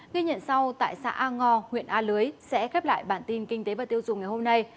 ghi nhận sau tại xã a ngo huyện a lưới sẽ khép lại bản tin kinh tế và tiêu dùng ngày hôm nay